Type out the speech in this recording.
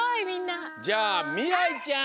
じゃあみらいちゃん！